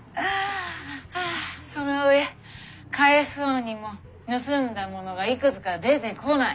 そのうえ返そうにも盗んだものがいくつか出てこない。